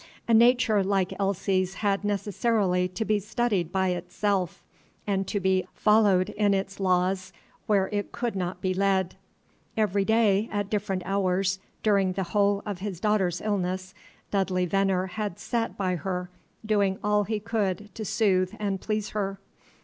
A nature like Elsie's had necessarily to be studied by itself, and to be followed in its laws where it could not be led. Every day, at different hours, during the whole of his daughter's illness, Dudley Venner had sat by her, doing all he could to soothe and please her.